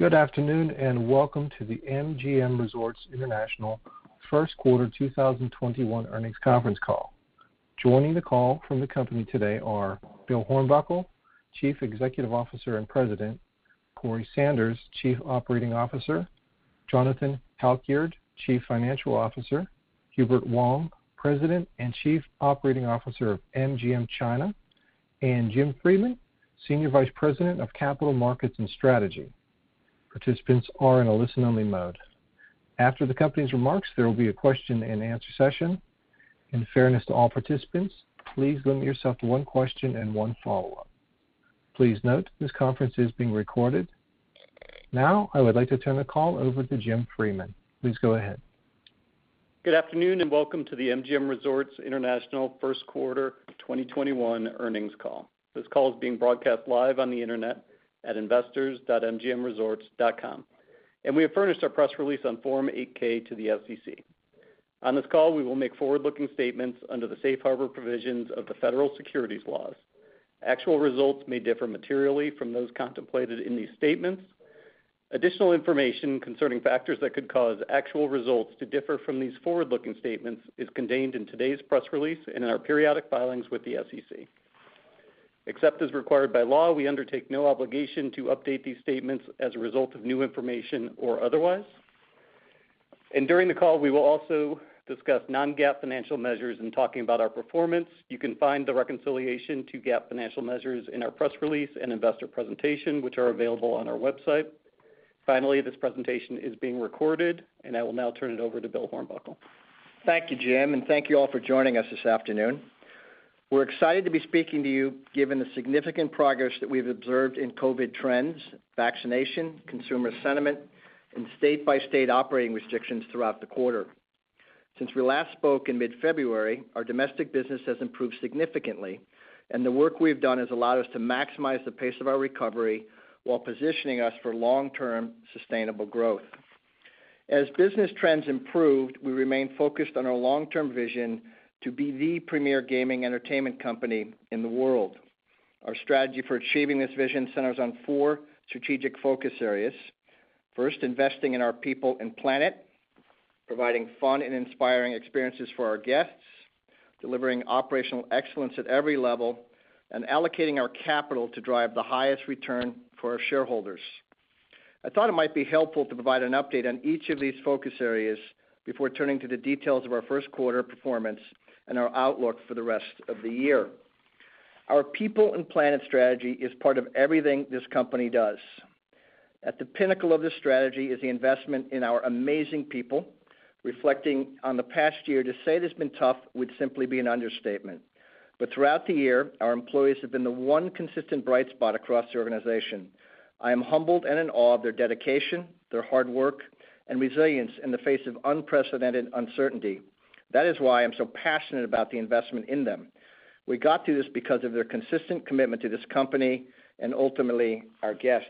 Good afternoon. Welcome to the MGM Resorts International first quarter 2021 earnings conference call. Joining the call from the company today are Bill Hornbuckle, Chief Executive Officer and President, Corey Sanders, Chief Operating Officer, Jonathan Halkyard, Chief Financial Officer, Hubert Wang, President and Chief Operating Officer of MGM China, and Jim Freeman, Senior Vice President of Capital Markets and Strategy. Participants are in a listen-only mode. After the company's remarks, there will be a question-and-answer session. In fairness to all participants, please limit yourself to one question and one follow-up. Please note, this conference is being recorded. I would like to turn the call over to Jim Freeman. Please go ahead. Good afternoon, welcome to the MGM Resorts International first quarter 2021 earnings call. This call is being broadcast live on the internet at investors.mgmresorts.com, we have furnished our press release on Form 8-K to the SEC. On this call, we will make forward-looking statements under the safe harbor provisions of the federal securities laws. Actual results may differ materially from those contemplated in these statements. Additional information concerning factors that could cause actual results to differ from these forward-looking statements is contained in today's press release and in our periodic filings with the SEC. Except as required by law, we undertake no obligation to update these statements as a result of new information or otherwise. During the call, we will also discuss non-GAAP financial measures in talking about our performance. You can find the reconciliation to GAAP financial measures in our press release and investor presentation, which are available on our website. Finally, this presentation is being recorded, and I will now turn it over to Bill Hornbuckle. Thank you, Jim, and thank you all for joining us this afternoon. We're excited to be speaking to you given the significant progress that we've observed in COVID trends, vaccination, consumer sentiment, and state-by-state operating restrictions throughout the quarter. Since we last spoke in mid-February, our domestic business has improved significantly, and the work we've done has allowed us to maximize the pace of our recovery while positioning us for long-term sustainable growth. As business trends improved, we remained focused on our long-term vision to be the premier gaming entertainment company in the world. Our strategy for achieving this vision centers on four strategic focus areas. First, investing in our people and planet, providing fun and inspiring experiences for our guests, delivering operational excellence at every level, and allocating our capital to drive the highest return for our shareholders. I thought it might be helpful to provide an update on each of these focus areas before turning to the details of our first quarter performance and our outlook for the rest of the year. Our people and planet strategy is part of everything this company does. At the pinnacle of this strategy is the investment in our amazing people. Reflecting on the past year, to say it has been tough would simply be an understatement. But throughout the year, our employees have been the one consistent bright spot across the organization. I am humbled and in awe of their dedication, their hard work, and resilience in the face of unprecedented uncertainty. That is why I'm so passionate about the investment in them. We got through this because of their consistent commitment to this company and ultimately our guests.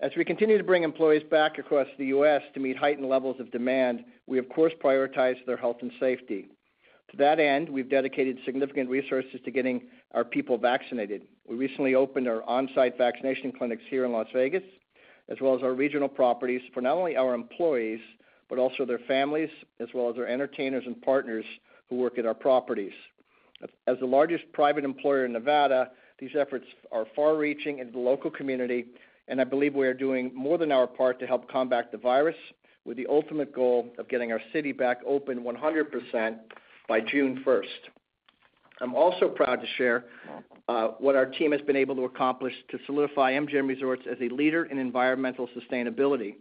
As we continue to bring employees back across the U.S. to meet heightened levels of demand, we of course prioritize their health and safety. To that end, we've dedicated significant resources to getting our people vaccinated. We recently opened our on-site vaccination clinics here in Las Vegas, as well as our regional properties for not only our employees, but also their families, as well as our entertainers and partners who work at our properties. As the largest private employer in Nevada, these efforts are far-reaching into the local community, and I believe we are doing more than our part to help combat the virus with the ultimate goal of getting our city back open 100% by June 1st. I'm also proud to share what our team has been able to accomplish to solidify MGM Resorts as a leader in environmental sustainability.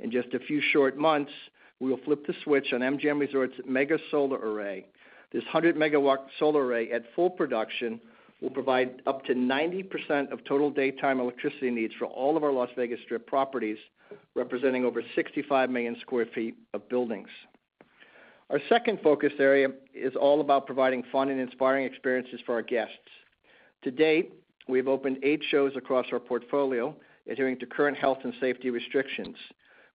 In just a few short months, we will flip the switch on MGM Resorts' Mega Solar Array. This 100-MW solar array at full production will provide up to 90% of total daytime electricity needs for all of our Las Vegas Strip properties, representing over 65 million sq ft of buildings. Our second focus area is all about providing fun and inspiring experiences for our guests. To date, we have opened eight shows across our portfolio, adhering to current health and safety restrictions.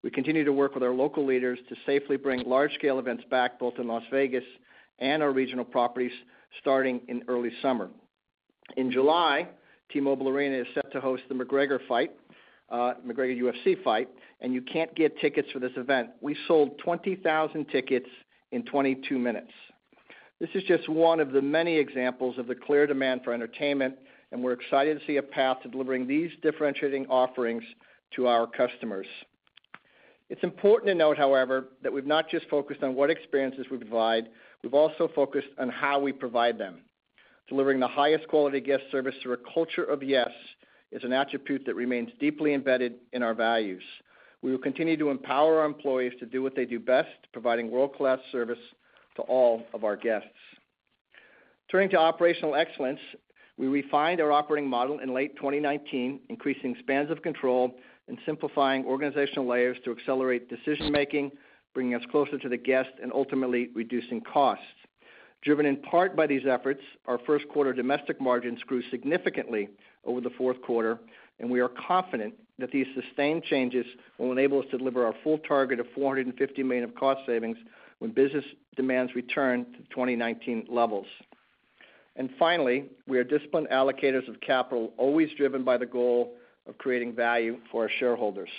We continue to work with our local leaders to safely bring large-scale events back, both in Las Vegas and our regional properties starting in early summer. In July, T-Mobile Arena is set to host the McGregor UFC fight. You can't get tickets for this event. We sold 20,000 tickets in 22 minutes. This is just one of the many examples of the clear demand for entertainment, and we're excited to see a path to delivering these differentiating offerings to our customers. It's important to note, however, that we've not just focused on what experiences we provide. We've also focused on how we provide them. Delivering the highest quality guest service through a culture of yes is an attribute that remains deeply embedded in our values. We will continue to empower our employees to do what they do best, providing world-class service to all of our guests. Turning to operational excellence, we refined our operating model in late 2019, increasing spans of control and simplifying organizational layers to accelerate decision-making, bringing us closer to the guest and ultimately reducing costs. Driven in part by these efforts, our first quarter domestic margins grew significantly over the fourth quarter, and we are confident that these sustained changes will enable us to deliver our full target of $450 million of cost savings when business demands return to 2019 levels. Finally, we are disciplined allocators of capital, always driven by the goal of creating value for our shareholders.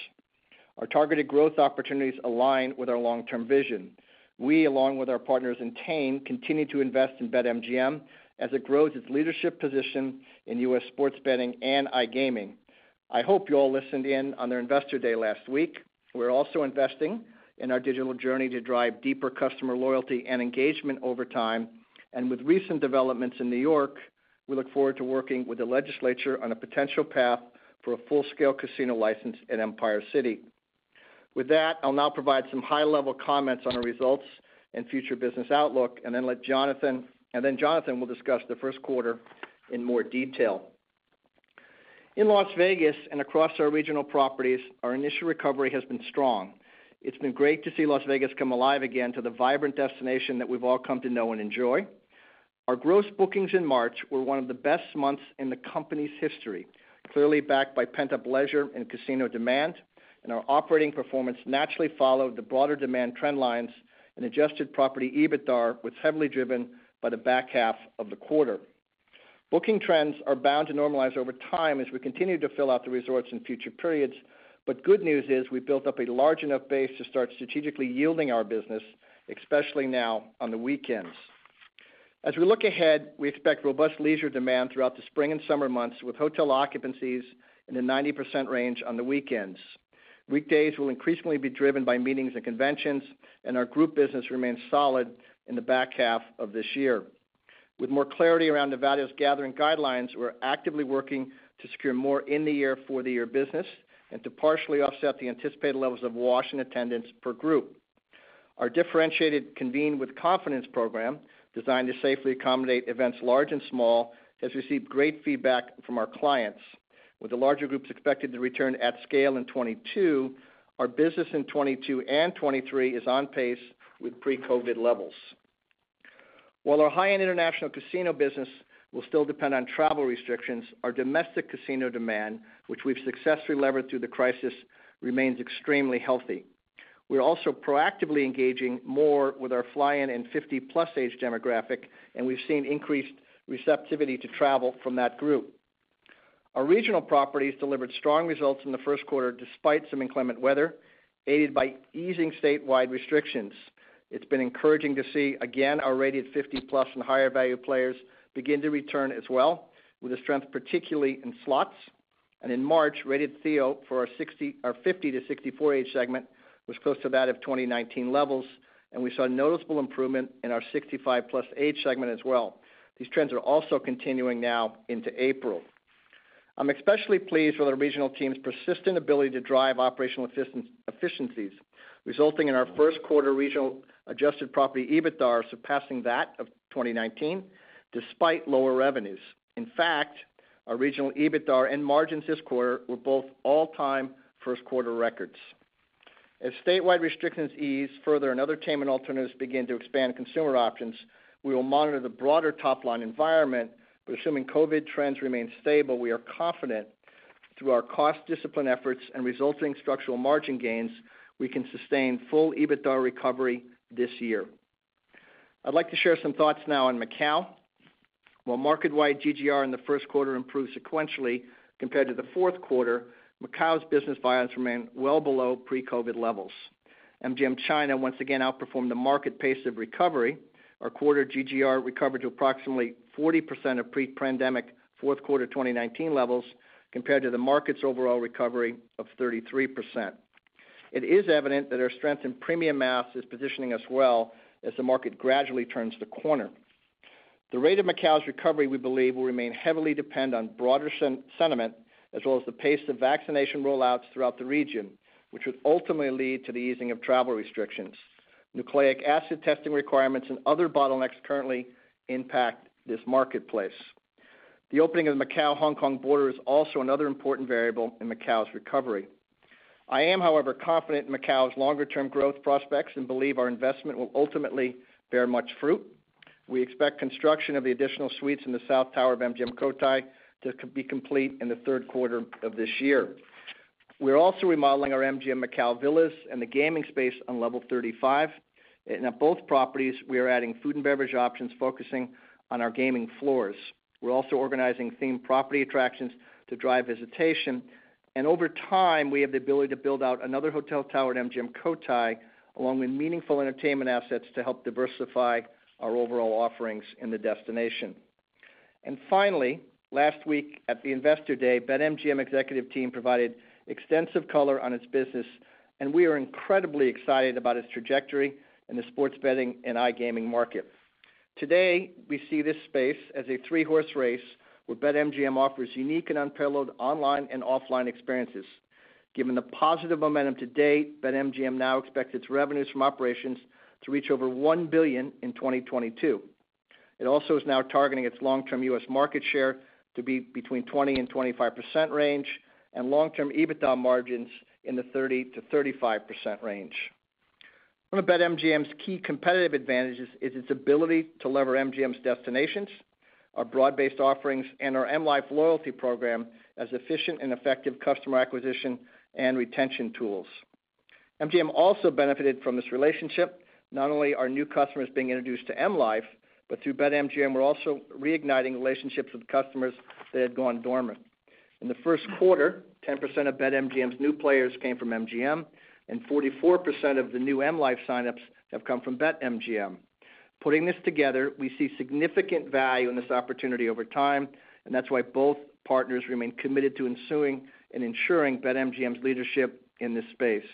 Our targeted growth opportunities align with our long-term vision. We, along with our partners in Entain, continue to invest in BetMGM as it grows its leadership position in US sports betting and iGaming. I hope you all listened in on their investor day last week. We're also investing in our digital journey to drive deeper customer loyalty and engagement over time. With recent developments in New York, we look forward to working with the legislature on a potential path for a full-scale casino license at Empire City. With that, I'll now provide some high-level comments on our results and future business outlook, and then Jonathan will discuss the first quarter in more detail. In Las Vegas and across our regional properties, our initial recovery has been strong. It's been great to see Las Vegas come alive again to the vibrant destination that we've all come to know and enjoy. Our gross bookings in March were one of the best months in the company's history, clearly backed by pent-up leisure and casino demand. Our operating performance naturally followed the broader demand trend lines and adjusted property EBITDA was heavily driven by the back half of the quarter. Booking trends are bound to normalize over time as we continue to fill out the resorts in future periods. Good news is we built up a large enough base to start strategically yielding our business, especially now on the weekends. As we look ahead, we expect robust leisure demand throughout the spring and summer months, with hotel occupancies in the 90% range on the weekends. Weekdays will increasingly be driven by meetings and conventions, and our group business remains solid in the back half of this year. With more clarity around Nevada's gathering guidelines, we're actively working to secure more in-the-year/for-the-year business and to partially offset the anticipated levels of wash in attendance per group. Our differentiated Convene with Confidence program, designed to safely accommodate events large and small, has received great feedback from our clients. With the larger groups expected to return at scale in 2022, our business in 2022 and 2023 is on pace with pre-COVID levels. While our high-end international casino business will still depend on travel restrictions, our domestic casino demand, which we've successfully levered through the crisis, remains extremely healthy. We're also proactively engaging more with our fly-in and 50+ age demographic, and we've seen increased receptivity to travel from that group. Our regional properties delivered strong results in the first quarter despite some inclement weather, aided by easing statewide restrictions. It's been encouraging to see, again, our rated 50+ and higher value players begin to return as well, with a strength particularly in slots. In March, rated theo for our 50-64 age segment was close to that of 2019 levels, and we saw a noticeable improvement in our 65+ age segment as well. These trends are also continuing now into April. I'm especially pleased with our regional team's persistent ability to drive operational efficiencies, resulting in our first quarter regional adjusted property EBITDA surpassing that of 2019 despite lower revenues. In fact, our regional EBITDA and margins this quarter were both all-time first quarter records. As statewide restrictions ease further and other entertainment alternatives begin to expand consumer options, we will monitor the broader top-line environment. Assuming COVID trends remain stable, we are confident through our cost discipline efforts and resulting structural margin gains, we can sustain full EBITDA recovery this year. I'd like to share some thoughts now on Macau. While market-wide GGR in the first quarter improved sequentially compared to the fourth quarter, Macau's business volumes remain well below pre-COVID levels. MGM China once again outperformed the market pace of recovery. Our quarter GGR recovered to approximately 40% of pre-pandemic fourth quarter 2019 levels, compared to the market's overall recovery of 33%. It is evident that our strength in premium mass is positioning us well as the market gradually turns the corner. The rate of Macau's recovery, we believe, will remain heavily dependent on broader sentiment as well as the pace of vaccination rollouts throughout the region, which would ultimately lead to the easing of travel restrictions. Nucleic acid testing requirements and other bottlenecks currently impact this marketplace. The opening of the Macau-Hong Kong border is also another important variable in Macau's recovery. I am, however, confident in Macau's longer-term growth prospects and believe our investment will ultimately bear much fruit. We expect construction of the additional suites in the south tower of MGM Cotai to be complete in the third quarter of this year. We're also remodeling our MGM Macau Villas and the gaming space on level 35. In both properties, we are adding food and beverage options focusing on our gaming floors. We're also organizing themed property attractions to drive visitation. Over time, we have the ability to build out another hotel tower at MGM Cotai, along with meaningful entertainment assets to help diversify our overall offerings in the destination. Finally, last week at the Investor Day, BetMGM executive team provided extensive color on its business, and we are incredibly excited about its trajectory in the sports betting and iGaming market. Today, we see this space as a three-horse race where BetMGM offers unique and unparalleled online and offline experiences. Given the positive momentum to date, BetMGM now expects its revenues from operations to reach over $1 billion in 2022. It also is now targeting its long-term U.S. market share to be between 20% and 25% range and long-term EBITDA margins in the 30%-35% range. One of BetMGM's key competitive advantages is its ability to lever MGM's destinations, our broad-based offerings, and our M Life loyalty program as efficient and effective customer acquisition and retention tools. MGM also benefited from this relationship. Not only are new customers being introduced to M life, but through BetMGM, we're also reigniting relationships with customers that had gone dormant. In the first quarter, 10% of BetMGM's new players came from MGM, and 44% of the new M life sign-ups have come from BetMGM. Putting this together, we see significant value in this opportunity over time, and that's why both partners remain committed to ensuing and ensuring BetMGM's leadership in this space.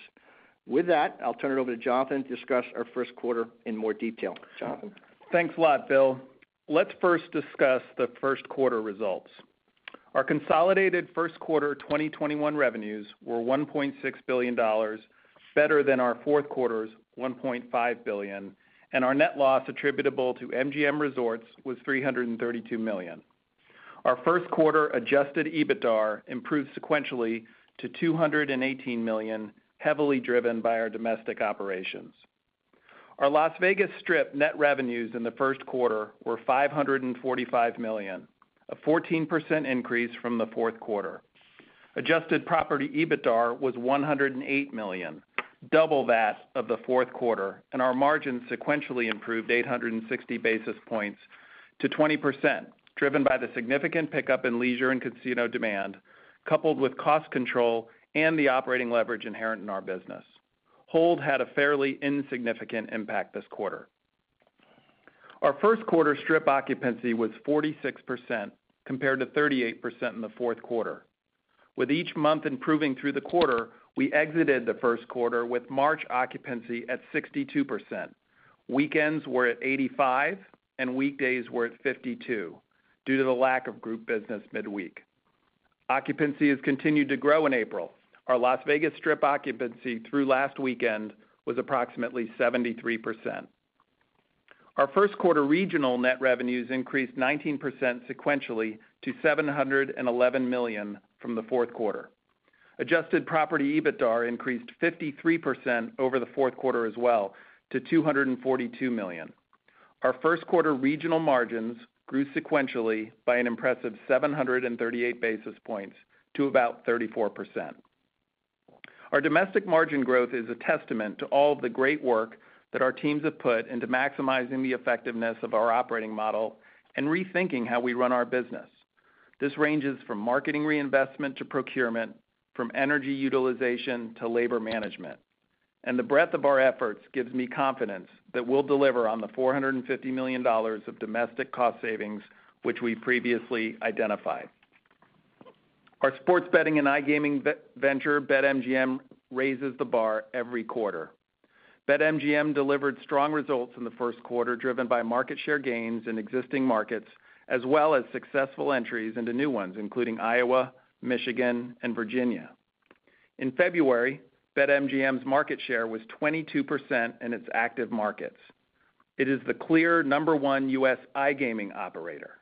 With that, I'll turn it over to Jonathan to discuss our first quarter in more detail. Jonathan? Thanks a lot, Bill. Let's first discuss the first quarter results. Our consolidated first quarter 2021 revenues were $1.6 billion, better than our fourth quarter's $1.5 billion, and our net loss attributable to MGM Resorts was $332 million. Our first quarter adjusted EBITDAR improved sequentially to $218 million, heavily driven by our domestic operations. Our Las Vegas Strip net revenues in the first quarter were $545 million, a 14% increase from the fourth quarter. Adjusted property EBITDAR was $108 million, double that of the fourth quarter, and our margins sequentially improved 860 basis points to 20%, driven by the significant pickup in leisure and casino demand, coupled with cost control and the operating leverage inherent in our business. Hold had a fairly insignificant impact this quarter. Our first quarter Strip occupancy was 46%, compared to 38% in the fourth quarter. With each month improving through the quarter, we exited the first quarter with March occupancy at 62%. Weekends were at 85% and weekdays were at 52% due to the lack of group business midweek. Occupancy has continued to grow in April. Our Las Vegas Strip occupancy through last weekend was approximately 73%. Our first quarter regional net revenues increased 19% sequentially to $711 million from the fourth quarter. Adjusted property EBITDAR increased 53% over the fourth quarter as well to $242 million. Our first quarter regional margins grew sequentially by an impressive 738 basis points to about 34%. Our domestic margin growth is a testament to all of the great work that our teams have put into maximizing the effectiveness of our operating model and rethinking how we run our business. This ranges from marketing reinvestment to procurement, from energy utilization to labor management. The breadth of our efforts gives me confidence that we'll deliver on the $450 million of domestic cost savings which we previously identified. Our sports betting and iGaming venture, BetMGM, raises the bar every quarter. BetMGM delivered strong results in the first quarter, driven by market share gains in existing markets, as well as successful entries into new ones, including Iowa, Michigan, and Virginia. In February, BetMGM's market share was 22% in its active markets. It is the clear number one U.S. iGaming operator.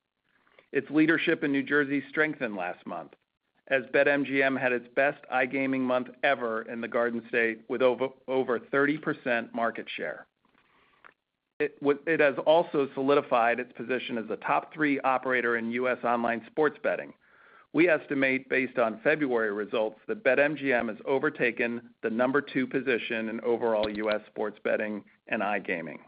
Its leadership in New Jersey strengthened last month, as BetMGM had its best iGaming month ever in the Garden State, with over 30% market share. It has also solidified its position as a top three operator in U.S. online sports betting. We estimate, based on February results, that BetMGM has overtaken the number two position in overall U.S. sports betting and iGaming.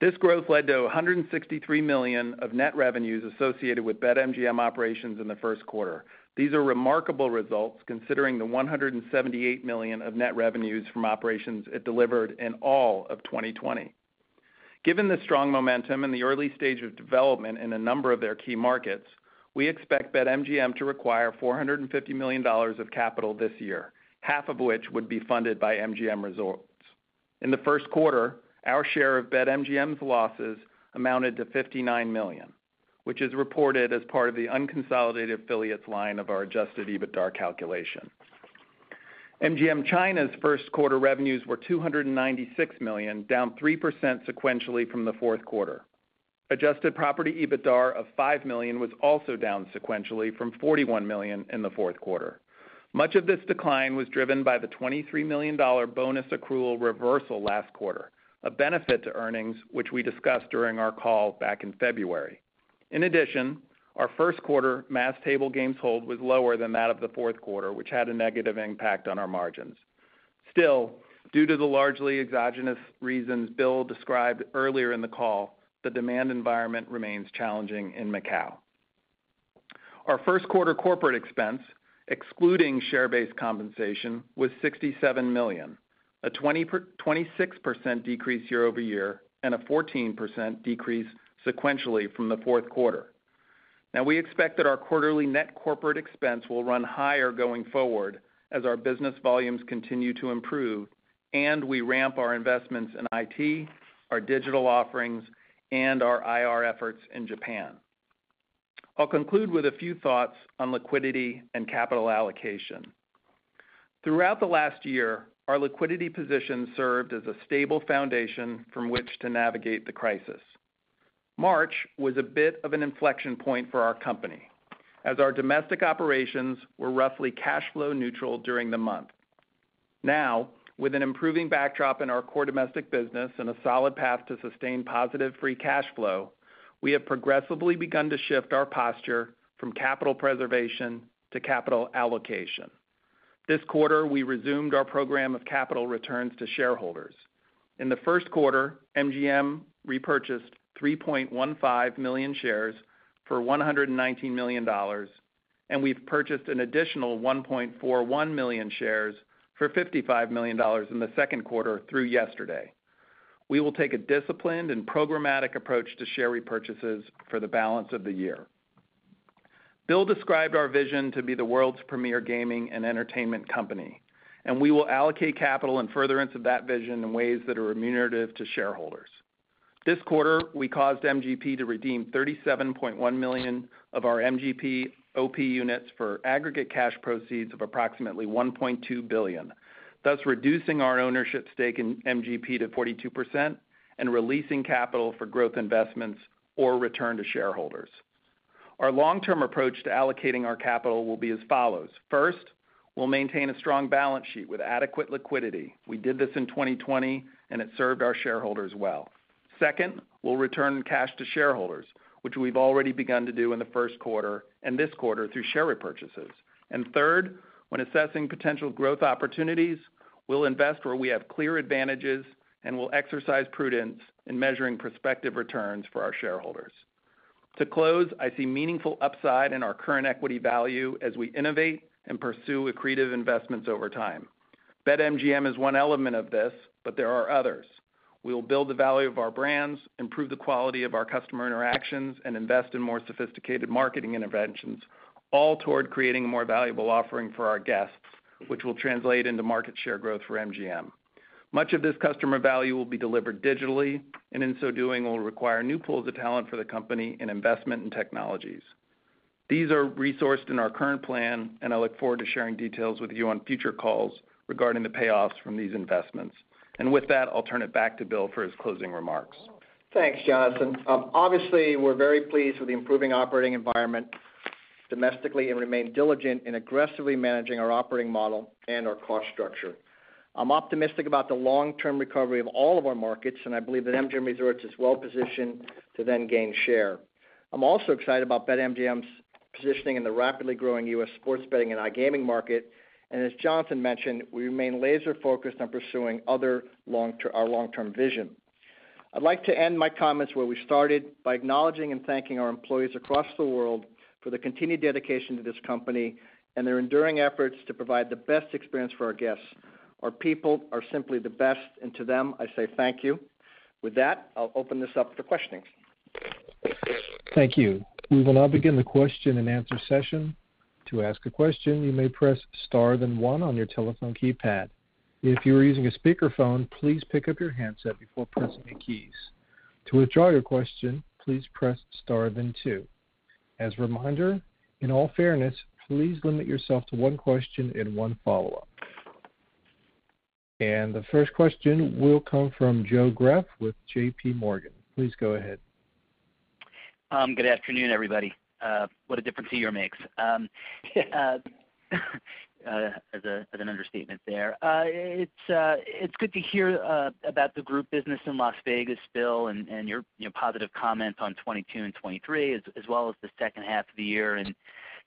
This growth led to $163 million of net revenues associated with BetMGM operations in the first quarter. These are remarkable results, considering the $178 million of net revenues from operations it delivered in all of 2020. Given the strong momentum in the early stage of development in a number of their key markets, we expect BetMGM to require $450 million of capital this year, half of which would be funded by MGM Resorts. In the first quarter, our share of BetMGM's losses amounted to $59 million, which is reported as part of the unconsolidated affiliates line of our adjusted EBITDAR calculation. MGM China’s first quarter revenues were $296 million, down 3% sequentially from the fourth quarter. Adjusted property EBITDAR of $5 million was also down sequentially from $41 million in the fourth quarter. Much of this decline was driven by the $23 million bonus accrual reversal last quarter, a benefit to earnings which we discussed during our call back in February. In addition, our first quarter mass table games hold was lower than that of the fourth quarter, which had a negative impact on our margins. Due to the largely exogenous reasons Bill described earlier in the call, the demand environment remains challenging in Macau. Our first quarter corporate expense, excluding share-based compensation, was $67 million, a 26% decrease year-over-year and a 14% decrease sequentially from the fourth quarter. We expect that our quarterly net corporate expense will run higher going forward as our business volumes continue to improve and we ramp our investments in IT, our digital offerings, and our IR efforts in Japan. I'll conclude with a few thoughts on liquidity and capital allocation. Throughout the last year, our liquidity position served as a stable foundation from which to navigate the crisis. March was a bit of an inflection point for our company, as our domestic operations were roughly cash flow neutral during the month. With an improving backdrop in our core domestic business and a solid path to sustain positive free cash flow, we have progressively begun to shift our posture from capital preservation to capital allocation. This quarter, we resumed our program of capital returns to shareholders. In the first quarter, MGM repurchased 3.15 million shares for $119 million, and we've purchased an additional 1.41 million shares for $55 million in the second quarter through yesterday. We will take a disciplined and programmatic approach to share repurchases for the balance of the year. Bill described our vision to be the world's premier gaming and entertainment company, and we will allocate capital in furtherance of that vision in ways that are remunerative to shareholders. This quarter, we caused MGP to redeem 37.1 million of our MGP OP Units for aggregate cash proceeds of approximately $1.2 billion, thus reducing our ownership stake in MGP to 42% and releasing capital for growth investments or return to shareholders. Our long-term approach to allocating our capital will be as follows. First, we'll maintain a strong balance sheet with adequate liquidity. We did this in 2020, and it served our shareholders well. Second, we'll return cash to shareholders, which we've already begun to do in the first quarter and this quarter through share repurchases. Third, when assessing potential growth opportunities, we'll invest where we have clear advantages, and we'll exercise prudence in measuring prospective returns for our shareholders. To close, I see meaningful upside in our current equity value as we innovate and pursue accretive investments over time. BetMGM is one element of this, but there are others. We will build the value of our brands, improve the quality of our customer interactions, and invest in more sophisticated marketing interventions, all toward creating a more valuable offering for our guests, which will translate into market share growth for MGM. Much of this customer value will be delivered digitally, and in so doing will require new pools of talent for the company and investment in technologies. These are resourced in our current plan, and I look forward to sharing details with you on future calls regarding the payoffs from these investments. With that, I'll turn it back to Bill for his closing remarks. Thanks, Jonathan. Obviously, we're very pleased with the improving operating environment domestically and remain diligent in aggressively managing our operating model and our cost structure. I'm optimistic about the long-term recovery of all of our markets, and I believe that MGM Resorts is well-positioned to then gain share. I'm also excited about BetMGM's positioning in the rapidly growing U.S. sports betting and iGaming market. As Jonathan mentioned, we remain laser-focused on pursuing our long-term vision. I'd like to end my comments where we started by acknowledging and thanking our employees across the world for their continued dedication to this company and their enduring efforts to provide the best experience for our guests. Our people are simply the best, and to them, I say thank you. With that, I'll open this up for questioning. Thank you. We will now begin the question and answer session. To ask a question, you may press star, then one on your telephone keypad. If you are using a speakerphone, please pick up your handset before pressing your keys. To withdraw your question, please press star, then two. As a reminder, in all fairness, please limit yourself to one question and one follow-up. The first question will come from Joe Greff with JPMorgan. Please go ahead. Good afternoon, everybody. What a difference a year makes as an understatement there. It's good to hear about the group business in Las Vegas, Bill, and your positive comments on 2022 and 2023 as well as the second half of the year.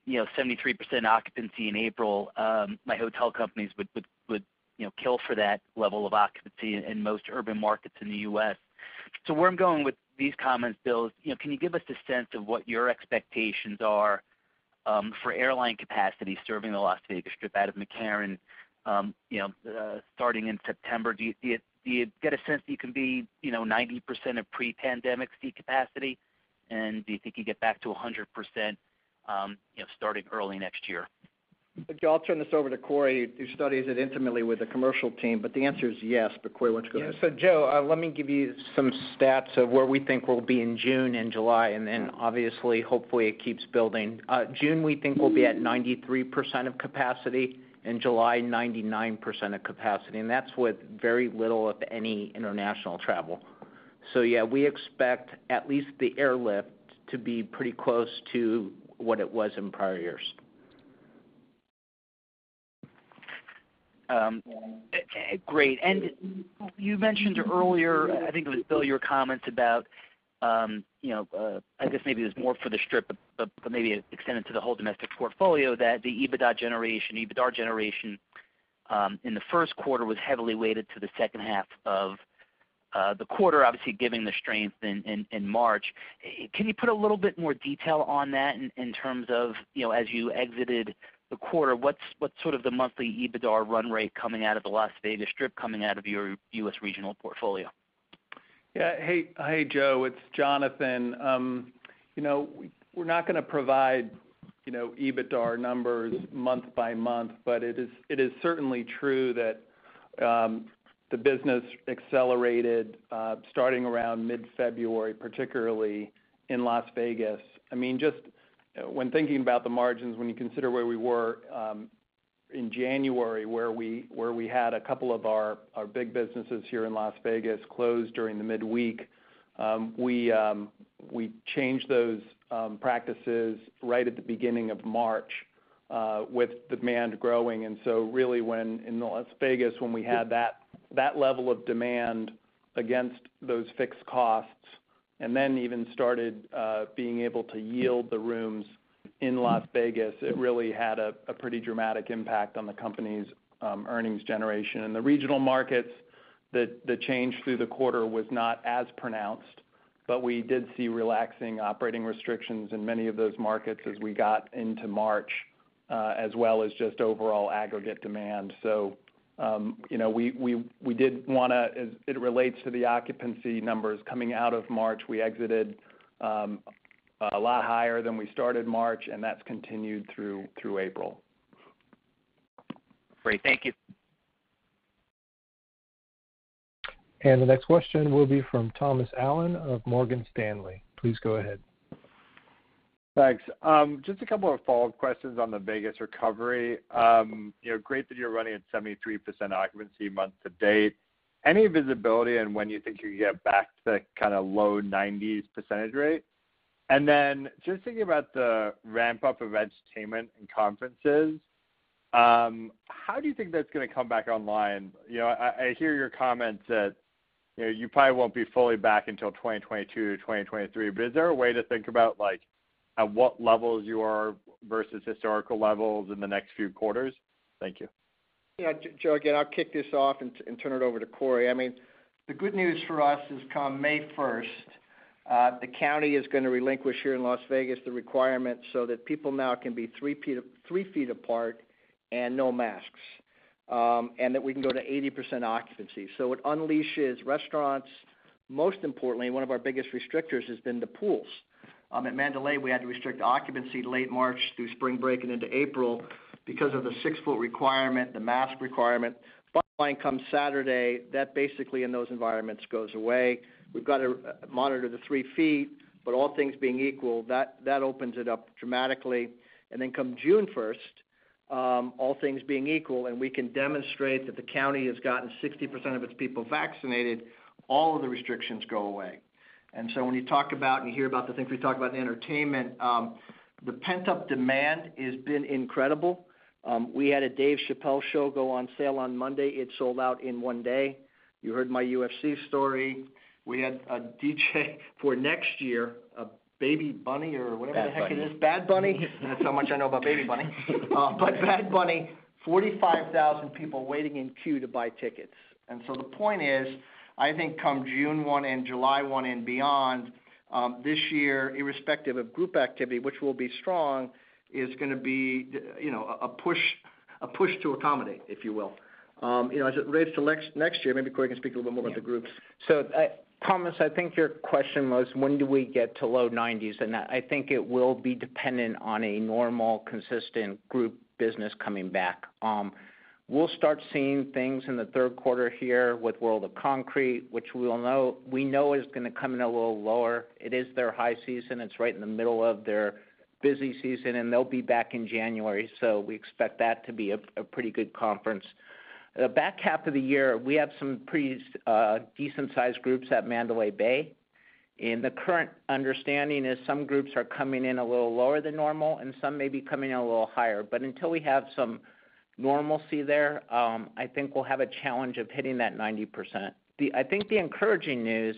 73% occupancy in April, my hotel companies would kill for that level of occupancy in most urban markets in the U.S. Where I'm going with these comments, Bill, can you give us a sense of what your expectations are for airline capacity serving the Las Vegas Strip out of McCarran starting in September? Do you get a sense that you can be 90% of pre-pandemic seat capacity, and do you think you get back to 100% starting early next year? Joe, I'll turn this over to Corey, who studies it intimately with the commercial team. The answer is yes. Corey, why don't you go ahead? Joe, let me give you some stats of where we think we'll be in June and July, and then obviously, hopefully it keeps building. June, we think we'll be at 93% of capacity. In July, 99% of capacity, and that's with very little of any international travel. Yeah, we expect at least the airlift to be pretty close to what it was in prior years. Great. You mentioned earlier, I think it was Bill, your comments about, I guess maybe it was more for the Strip, but maybe it extended to the whole domestic portfolio, that the EBITDA generation in the first quarter was heavily weighted to the second half of the quarter, obviously, given the strength in March. Can you put a little bit more detail on that in terms of as you exited the quarter, what's sort of the monthly EBITDAR run rate coming out of the Las Vegas Strip coming out of your U.S. regional portfolio? Hey, Joe. It's Jonathan. We're not going to provide EBITDAR numbers month by month, but it is certainly true that the business accelerated starting around mid-February, particularly in Las Vegas. When thinking about the margins, when you consider where we were in January, where we had a couple of our big businesses here in Las Vegas closed during the midweek. We changed those practices right at the beginning of March with demand growing. Really, in Las Vegas, when we had that level of demand against those fixed costs, and then even started being able to yield the rooms in Las Vegas, it really had a pretty dramatic impact on the company's earnings generation. In the regional markets, the change through the quarter was not as pronounced, but we did see relaxing operating restrictions in many of those markets as we got into March, as well as just overall aggregate demand. We did want to, as it relates to the occupancy numbers coming out of March, we exited a lot higher than we started March, and that's continued through April. Great. Thank you. The next question will be from Thomas Allen of Morgan Stanley. Please go ahead. Thanks. Just two follow-up questions on the Vegas recovery. Great that you're running at 73% occupancy month to date. Any visibility on when you think you can get back to kind of low 90s percentage rate? Then just thinking about the ramp-up of entertainment and conferences, how do you think that's going to come back online? I hear your comments that you probably won't be fully back until 2022 or 2023, but is there a way to think about at what levels you are versus historical levels in the next few quarters? Thank you. Yeah, Jonathan, again, I'll kick this off and turn it over to Corey. The good news for us is come May 1st, the county is going to relinquish here in Las Vegas the requirement so that people now can be three feet apart and no masks, and that we can go to 80% occupancy. It unleashes restaurants. Most importantly, one of our biggest restrictors has been the pools. At Mandalay, we had to restrict occupancy late March through spring break and into April because of the six-foot requirement, the mask requirement. Bottom line, come Saturday, that basically in those environments goes away. We've got to monitor the three feet, all things being equal, that opens it up dramatically. Come June 1st, all things being equal, and we can demonstrate that the county has gotten 60% of its people vaccinated, all of the restrictions go away. When you talk about, and you hear about the things we talk about in the entertainment, the pent-up demand has been incredible. We had a Dave Chappelle show go on sale on Monday. It sold out in one day. You heard my UFC story. We had a DJ for next year, a Bad Bunny or whatever the heck it is. Bad Bunny. Bad Bunny. That's how much I know about Bad Bunny. Bad Bunny, 45,000 people waiting in queue to buy tickets. The point is, I think come June 1 and July 1 and beyond, this year, irrespective of group activity, which will be strong, is going to be a push to accommodate, if you will. As it relates to next year, maybe Corey Sanders can speak a little bit more about the groups. Thomas, I think your question was when do we get to low 90s? I think it will be dependent on a normal, consistent group business coming back. We'll start seeing things in the third quarter here with World of Concrete, which we know is going to come in a little lower. It is their high season. It's right in the middle of their busy season, and they'll be back in January. We expect that to be a pretty good conference. The back half of the year, we have some pretty decent sized groups at Mandalay Bay, and the current understanding is some groups are coming in a little lower than normal, and some may be coming in a little higher. Until we have some normalcy there, I think we'll have a challenge of hitting that 90%. I think the encouraging news,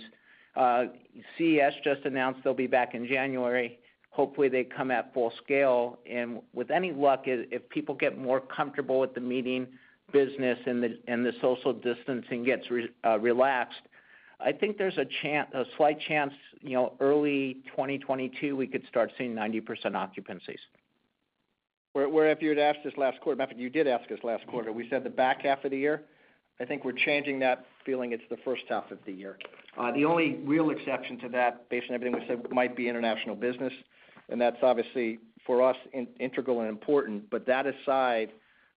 CES just announced they'll be back in January. Hopefully, they come at full scale, and with any luck, if people get more comfortable with the meeting business and the social distancing gets relaxed, I think there's a slight chance early 2022, we could start seeing 90% occupancies. Where if you'd asked us last quarter, matter of fact, you did ask us last quarter, we said the back half of the year. I think we're changing that feeling it's the first half of the year. The only real exception to that based on everything we said might be international business, and that's obviously for us integral and important. That aside,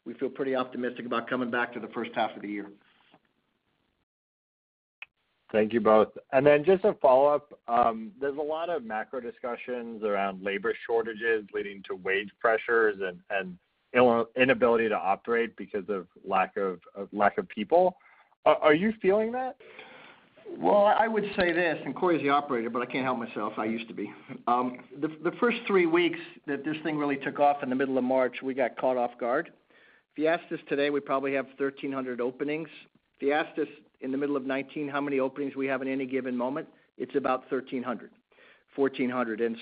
we feel pretty optimistic about coming back to the first half of the year. Thank you both. Just a follow-up. There's a lot of macro discussions around labor shortages leading to wage pressures and inability to operate because of lack of people. Are you feeling that? Well, I would say this, and Corey's the operator, but I can't help myself, I used to be. The first three weeks that this thing really took off in the middle of March, we got caught off guard. If you asked us today, we probably have 1,300 openings. If you asked us in the middle of 2019 how many openings we have at any given moment, it's about 1,300, 1,400.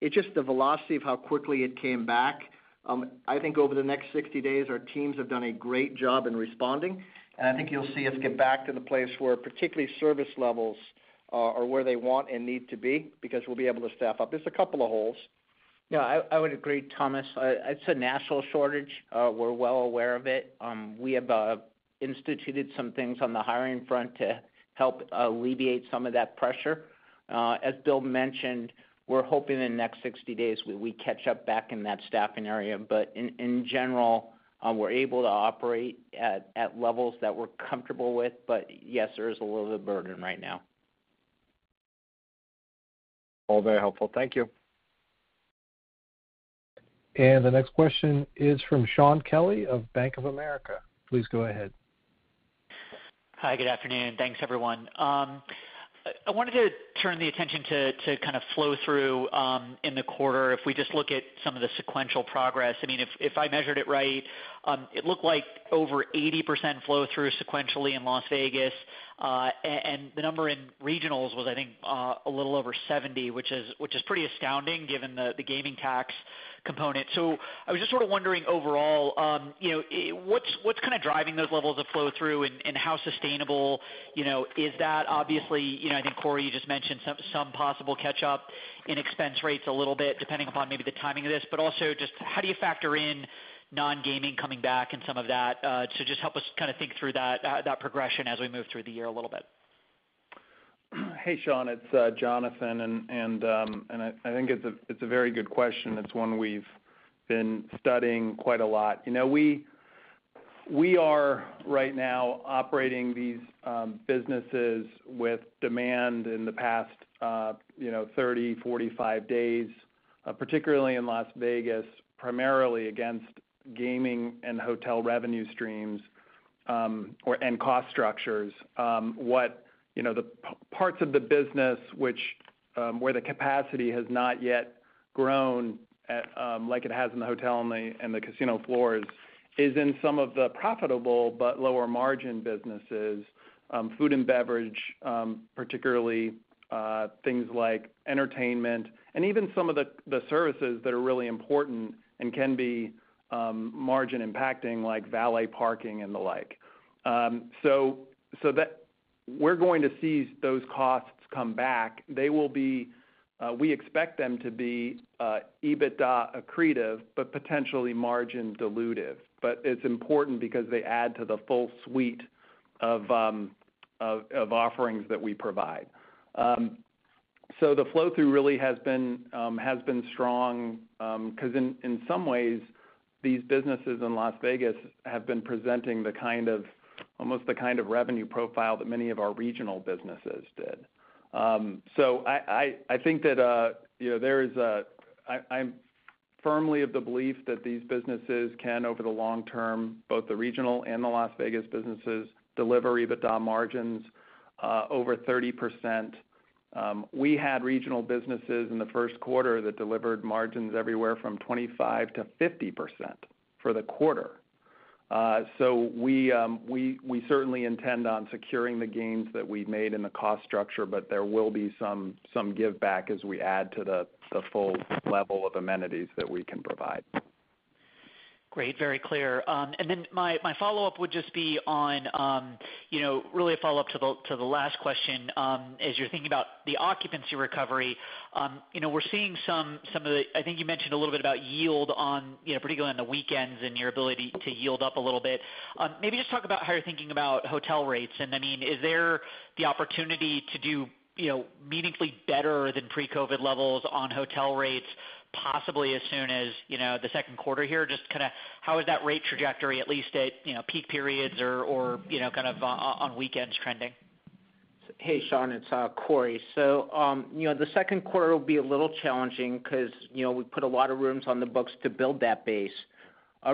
It's just the velocity of how quickly it came back. I think over the next 60 days, our teams have done a great job in responding, and I think you'll see us get back to the place where particularly service levels are where they want and need to be because we'll be able to staff up. There's a couple of holes. Yeah, I would agree, Thomas. It's a national shortage. We're well aware of it. We have instituted some things on the hiring front to help alleviate some of that pressure. As Bill mentioned, we're hoping in the next 60 days we catch up back in that staffing area. In general, we're able to operate at levels that we're comfortable with. Yes, there is a little bit of burden right now. All very helpful. Thank you. The next question is from Shaun Kelley of Bank of America. Please go ahead. Hi, good afternoon. Thanks, everyone. I wanted to turn the attention to flow through in the quarter. We just look at some of the sequential progress. I measured it right, it looked like over 80% flow through sequentially in Las Vegas. The number in regionals was, I think, a little over 70, which is pretty astounding given the gaming tax component. I was just wondering overall, what's driving those levels of flow through and how sustainable is that? Obviously, I think, Corey, you just mentioned some possible catch up in expense rates a little bit, depending upon maybe the timing of this, also just how do you factor in non-gaming coming back and some of that? Just help us think through that progression as we move through the year a little bit. Hey, Shaun, it's Jonathan, and I think it's a very good question. It's one we've been studying quite a lot. We are right now operating these businesses with demand in the past 30, 45 days, particularly in Las Vegas, primarily against gaming and hotel revenue streams, and cost structures. The parts of the business where the capacity has not yet grown, like it has in the hotel and the casino floors, is in some of the profitable but lower margin businesses, food and beverage, particularly things like entertainment and even some of the services that are really important and can be margin impacting like valet parking and the like. We're going to see those costs come back. We expect them to be EBITDA accretive, but potentially margin dilutive. It's important because they add to the full suite of offerings that we provide. The flow through really has been strong, because in some ways, these businesses in Las Vegas have been presenting almost the kind of revenue profile that many of our regional businesses did. I'm firmly of the belief that these businesses can, over the long term, both the regional and the Las Vegas businesses, deliver EBITDA margins over 30%. We had regional businesses in the first quarter that delivered margins everywhere from 25%-50% for the quarter. We certainly intend on securing the gains that we've made in the cost structure, but there will be some give back as we add to the full level of amenities that we can provide. Great. Very clear. My follow-up would just be on, really a follow-up to the last question. As you're thinking about the occupancy recovery, we're seeing I think you mentioned a little bit about yield, particularly on the weekends and your ability to yield up a little bit. Maybe just talk about how you're thinking about hotel rates, and is there the opportunity to do meaningfully better than pre-COVID levels on hotel rates, possibly as soon as the second quarter here? Just how is that rate trajectory, at least at peak periods or on weekends trending? Hey, Shaun, it's Corey. The second quarter will be a little challenging because we put a lot of rooms on the books to build that base.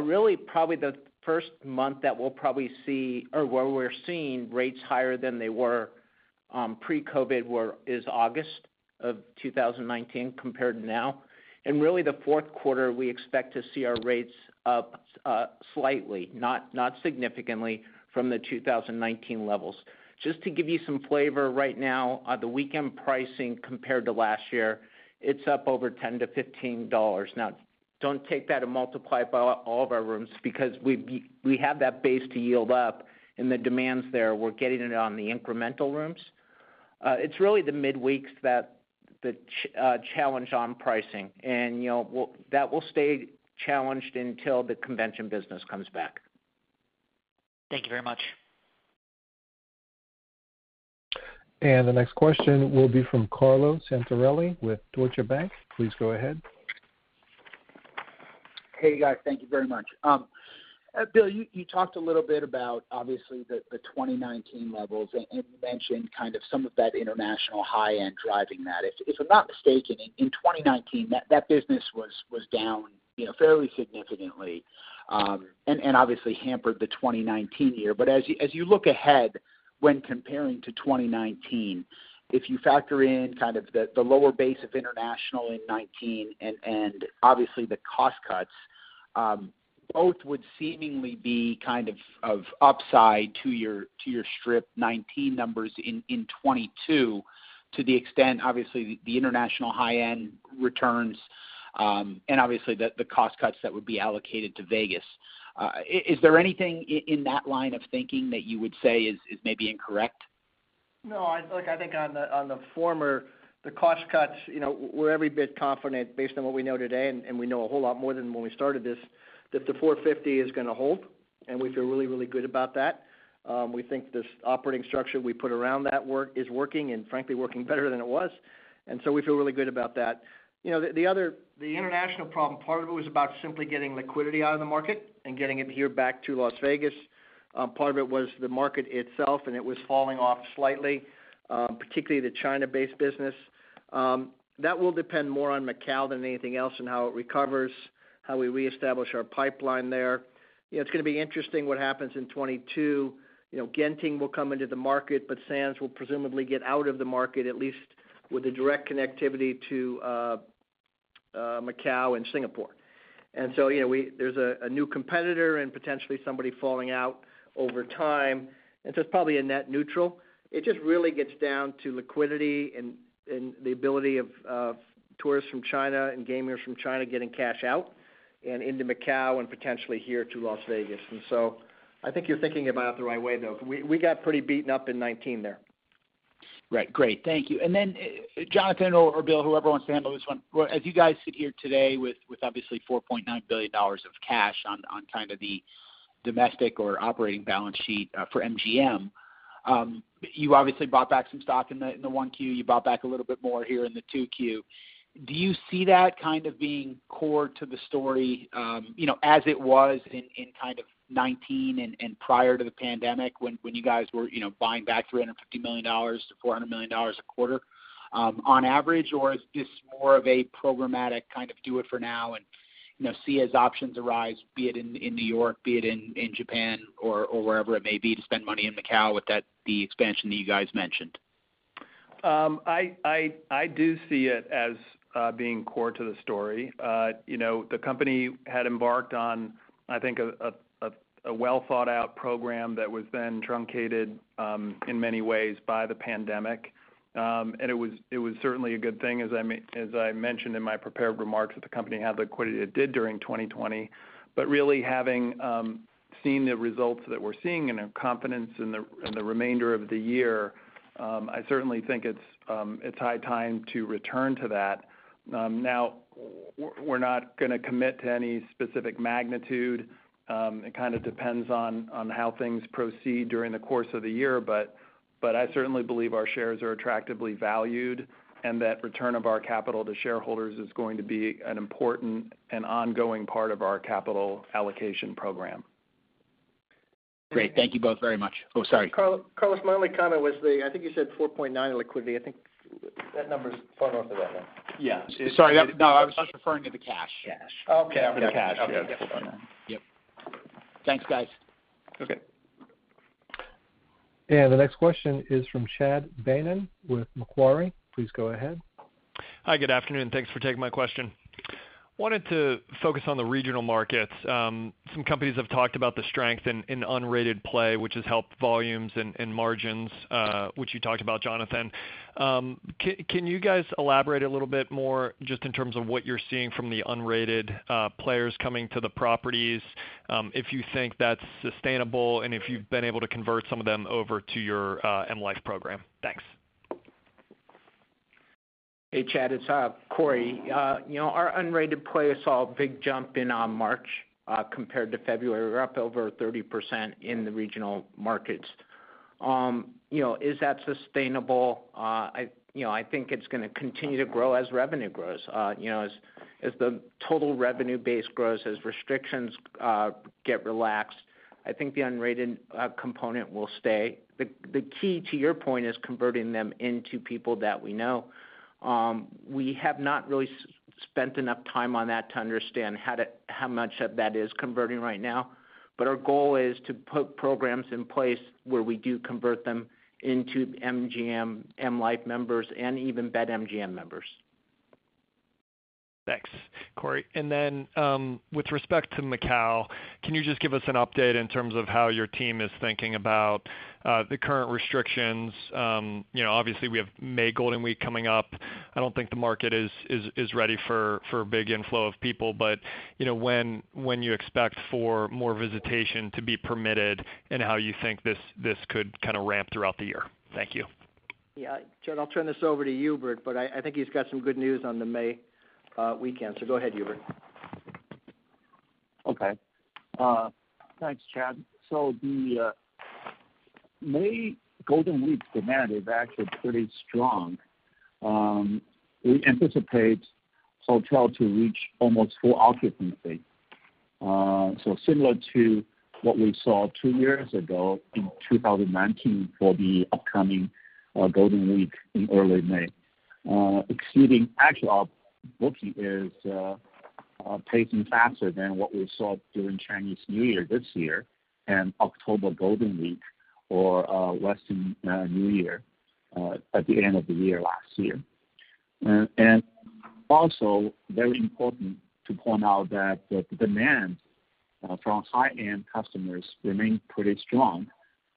Really, probably the first month that we'll probably see or where we're seeing rates higher than they were pre-COVID is August of 2019 compared to now. Really the fourth quarter, we expect to see our rates up slightly, not significantly from the 2019 levels. Just to give you some flavor right now, the weekend pricing compared to last year, it's up over $10-$15. Don't take that and multiply it by all of our rooms because we have that base to yield up and the demand's there. We're getting it on the incremental rooms. It's really the midweeks that challenge on pricing, and that will stay challenged until the convention business comes back. Thank you very much. The next question will be from Carlo Santarelli with Deutsche Bank. Please go ahead. Hey, guys. Thank you very much. Bill, you talked a little bit about, obviously, the 2019 levels, and you mentioned some of that international high-end driving that. If I'm not mistaken, in 2019, that business was down fairly significantly, and obviously hampered the 2019 year. As you look ahead when comparing to 2019, if you factor in the lower base of international in 2019 and obviously the cost cuts, both would seemingly be of upside to your Strip 2019 numbers in 2022, to the extent, obviously, the international high-end returns, and obviously the cost cuts that would be allocated to Vegas. Is there anything in that line of thinking that you would say is maybe incorrect? No, I think on the former, the cost cuts, we're every bit confident based on what we know today, and we know a whole lot more than when we started this, that the 450 is going to hold, and we feel really, really good about that. We think the operating structure we put around that is working, and frankly, working better than it was, so we feel really good about that. The international problem, part of it was about simply getting liquidity out of the market and getting it here back to Las Vegas. Part of it was the market itself, and it was falling off slightly, particularly the China-based business. That will depend more on Macau than anything else and how it recovers, how we reestablish our pipeline there. It's going to be interesting what happens in 2022. Genting will come into the market, but Sands will presumably get out of the market, at least with the direct connectivity to Macau and Singapore. There's a new competitor and potentially somebody falling out over time. It's probably a net neutral. It just really gets down to liquidity and the ability of tourists from China and gamers from China getting cash out and into Macau and potentially here to Las Vegas. I think you're thinking about it the right way, though. We got pretty beaten up in 2019 there. Right. Great. Thank you. Jonathan or Bill, whoever wants to handle this one. As you guys sit here today with obviously $4.9 billion of cash on kind of the domestic or operating balance sheet for MGM, you obviously bought back some stock in the 1Q. You bought back a little bit more here in the 2Q. Do you see that kind of being core to the story as it was in 2019 and prior to the pandemic when you guys were buying back $350 million-$400 million a quarter on average, or is this more of a programmatic kind of do it for now and see as options arise, be it in New York, be it in Japan or wherever it may be to spend money in Macau with the expansion that you guys mentioned? I do see it as being core to the story. The company had embarked on, I think, a well-thought-out program that was then truncated in many ways by the pandemic. It was certainly a good thing, as I mentioned in my prepared remarks, that the company had the liquidity it did during 2020. Really having seen the results that we're seeing and a confidence in the remainder of the year, I certainly think it's high time to return to that. Now, we're not going to commit to any specific magnitude. It kind of depends on how things proceed during the course of the year, but I certainly believe our shares are attractively valued, and that return of our capital to shareholders is going to be an important and ongoing part of our capital allocation program. Great. Thank you both very much. Oh, sorry. Carlo, my only comment was, I think you said $4.9 liquidity. I think that number's far off of that, right? Yeah. Sorry. No, I was just referring to the cash. Cash. Okay. Referring to cash. Yeah. Okay. Hold on. Yep. Thanks, guys. Okay. The next question is from Chad Beynon with Macquarie. Please go ahead. Hi, good afternoon. Thanks for taking my question. Wanted to focus on the regional markets. Some companies have talked about the strength in unrated play, which has helped volumes and margins, which you talked about, Jonathan. Can you guys elaborate a little bit more just in terms of what you're seeing from the unrated players coming to the properties, if you think that's sustainable, and if you've been able to convert some of them over to your M life program? Thanks. Hey, Chad, it's Corey. Our unrated players saw a big jump in on March compared to February. We're up over 30% in the regional markets. Is that sustainable? I think it's going to continue to grow as revenue grows. As the total revenue base grows, as restrictions get relaxed, I think the unrated component will stay. The key, to your point, is converting them into people that we know. We have not really spent enough time on that to understand how much of that is converting right now. Our goal is to put programs in place where we do convert them into MGM, M life members, and even BetMGM members. Thanks, Corey. With respect to Macau, can you just give us an update in terms of how your team is thinking about the current restrictions? Obviously, we have May Golden Week coming up. I don't think the market is ready for a big inflow of people, when you expect for more visitation to be permitted and how you think this could kind of ramp throughout the year. Thank you. Yeah. Chad Beynon, I'll turn this over to Hubert Wang, but I think he's got some good news on the May weekend. Go ahead, Hubert Wang. Okay. Thanks, Chad. The May Golden Week demand is actually pretty strong. We anticipate hotel to reach almost full occupancy. Similar to what we saw two years ago in 2019 for the upcoming Golden Week in early May. Exceeding actual booking is pacing faster than what we saw during Chinese New Year this year and October Golden Week or Western New Year at the end of the year last year. Also very important to point out that the demand from high-end customers remains pretty strong,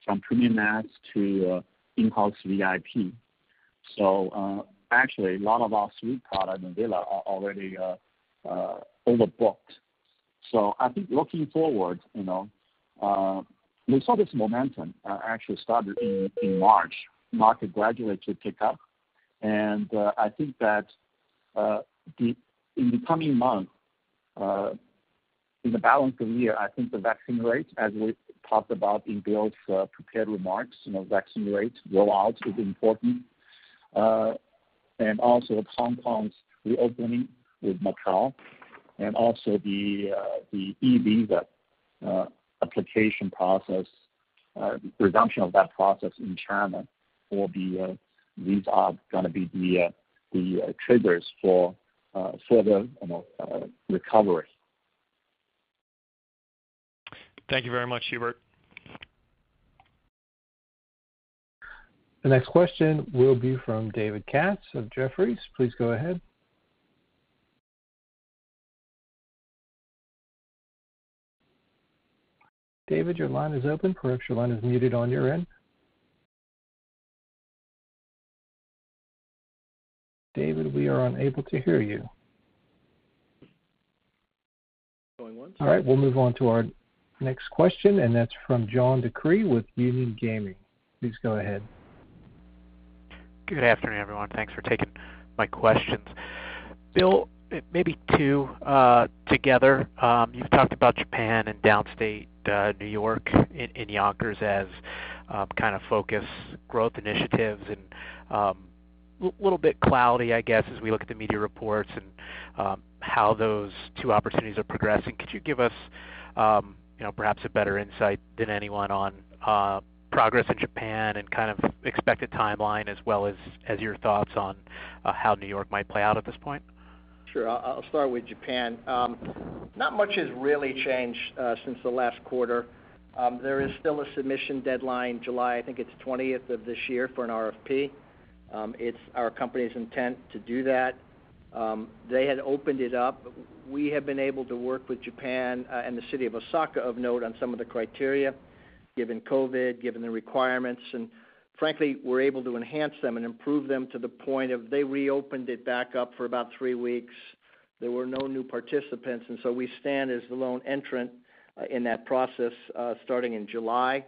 from premium mass to in-house VIP. Actually, a lot of our suite product and villa are already overbooked. I think looking forward, we saw this momentum actually started in March. Market gradually should pick up. I think that in the coming month, in the balance of the year, I think the vaccine rates, as we talked about in Bill's prepared remarks, vaccine rates roll out is important, also Hong Kong's reopening with Macau and also the E-visa application process. The resumption of that process in China, these are going to be the triggers for the recovery. Thank you very much, Hubert. The next question will be from David Katz of Jefferies. Please go ahead. David, your line is open. Correct, your line is muted on your end. David, we are unable to hear you. Going once. All right, we'll move on to our next question, and that's from John DeCree with Union Gaming. Please go ahead. Good afternoon, everyone. Thanks for taking my questions. Bill, maybe two together. You've talked about Japan and downstate New York in Yonkers as kind of focus growth initiatives. Little bit cloudy, I guess, as we look at the media reports and how those two opportunities are progressing. Could you give us perhaps a better insight than anyone on progress in Japan and kind of expected timeline, as well as your thoughts on how New York might play out at this point? Sure. I'll start with Japan. Not much has really changed since the last quarter. There is still a submission deadline, July, I think it's 20th of this year for an RFP. It's our company's intent to do that. They had opened it up. We have been able to work with Japan and the city of Osaka, of note, on some of the criteria, given COVID, given the requirements. Frankly, we're able to enhance them and improve them to the point of they reopened it back up for about three weeks. There were no new participants, so we stand as the lone entrant, in that process, starting in July.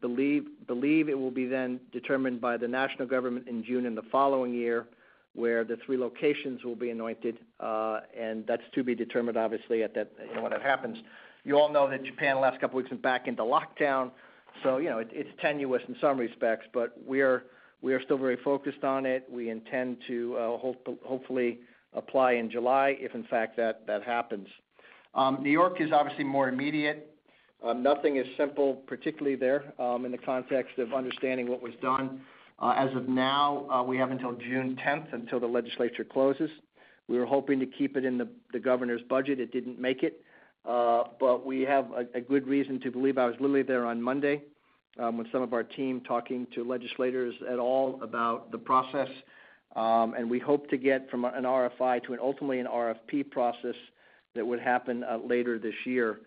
Believe it will be then determined by the national government in June and the following year, where the three locations will be anointed. That's to be determined, obviously, when that happens. You all know that Japan, last couple weeks, is back into lockdown. It's tenuous in some respects, but we are still very focused on it. We intend to, hopefully, apply in July if in fact that happens. New York is obviously more immediate. Nothing is simple, particularly there, in the context of understanding what was done. As of now, we have until June 10th until the legislature closes. We were hoping to keep it in the governor's budget. It didn't make it. We have a good reason to believe. I was literally there on Monday, with some of our team, talking to legislators at all about the process. We hope to get from an RFI to an ultimately an RFP process that would happen later this year.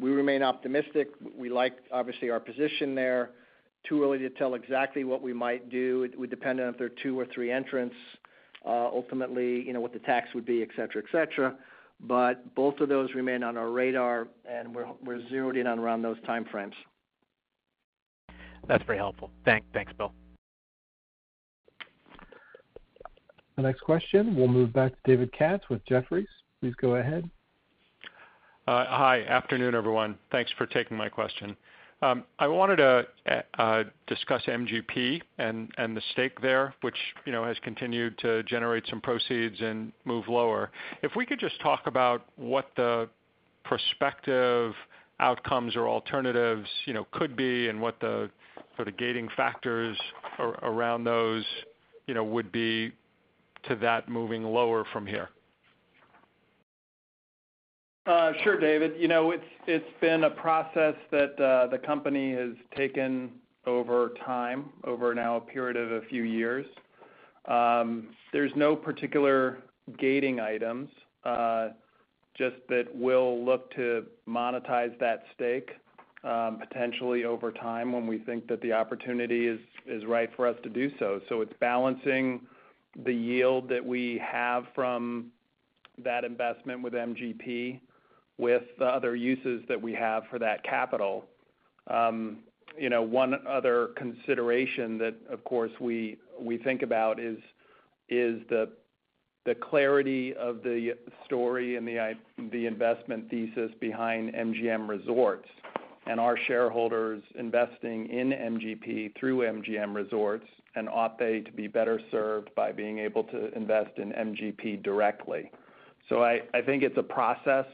We remain optimistic. We like, obviously, our position there. Too early to tell exactly what we might do. It would depend on if there are two or three entrants, ultimately, what the tax would be, et cetera. Both of those remain on our radar, and we're zeroed in on around those time frames. That's very helpful. Thanks, Bill. The next question, we'll move back to David Katz with Jefferies. Please go ahead. Hi. Afternoon, everyone. Thanks for taking my question. I wanted to discuss MGP and the stake there, which has continued to generate some proceeds and move lower. If we could just talk about what the prospective outcomes or alternatives could be and what the sort of gating factors around those would be to that moving lower from here. Sure, David. It's been a process that the company has taken over time, over now a period of a few years. There's no particular gating items, just that we'll look to monetize that stake, potentially over time when we think that the opportunity is right for us to do so. It's balancing the yield that we have from that investment with MGP, with other uses that we have for that capital. One other consideration that, of course, we think about is the clarity of the story and the investment thesis behind MGM Resorts and our shareholders investing in MGP through MGM Resorts, and ought they to be better served by being able to invest in MGP directly. I think it's a process,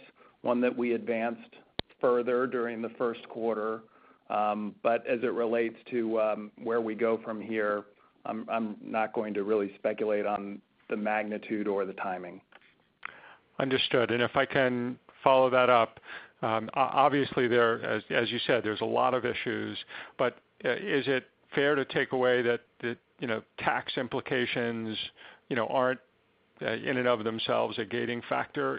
one that we advanced further during the first quarter. As it relates to where we go from here, I'm not going to really speculate on the magnitude or the timing. Understood. If I can follow that up, obviously there, as you said, there's a lot of issues, but is it fair to take away that tax implications aren't in and of themselves a gating factor